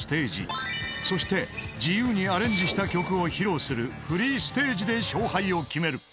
［そして自由にアレンジした曲を披露するフリーステージで勝敗を決める］